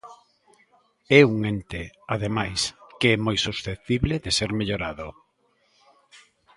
É un ente, ademais, que é moi susceptible de ser mellorado.